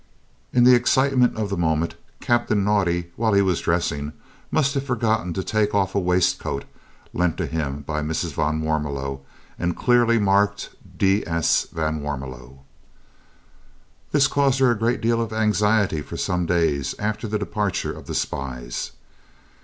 In the excitement of the moment Captain Naudé, while he was dressing, must have forgotten to take off a waistcoat lent to him by Mrs. van Warmelo and clearly marked D.S. van Warmelo. This caused her a great deal of anxiety for some days after the departure of the spies.